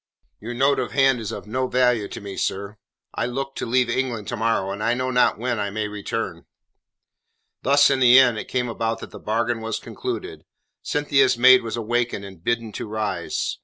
"Your note of hand is of no value to me, sir. I look to leave England to morrow, and I know not when I may return." Thus in the end it came about that the bargain was concluded. Cynthia's maid was awakened and bidden to rise.